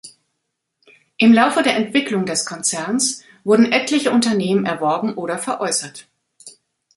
Im Laufe der Entwicklung des Konzerns wurden etliche Unternehmen erworben oder veräußert.